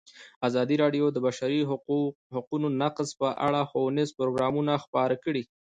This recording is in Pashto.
ازادي راډیو د د بشري حقونو نقض په اړه ښوونیز پروګرامونه خپاره کړي.